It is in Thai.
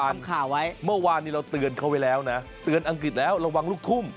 ทำข่าวไว้เมื่อวานนี้เราเตือนเขาไว้แล้วนะเตือนอังกฤษแล้วระวังลูกทุ่ม